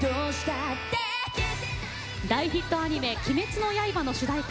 大ヒットアニメ「鬼滅の刃」の主題歌